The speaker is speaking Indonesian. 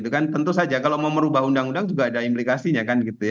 tentu saja kalau mau merubah undang undang juga ada implikasinya